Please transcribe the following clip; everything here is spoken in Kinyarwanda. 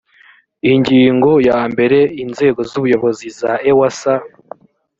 ingingo ya mbere inzego z ubuyobozi za ewsa